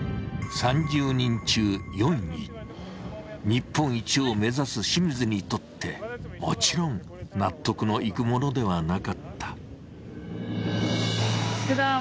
日本一を目指す清水にとってもちろん納得のいくものではなかった。